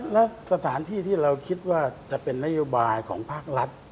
แล้วสถานที่ที่เราคิดว่าจะเป็นนโยบายของภาครัฐ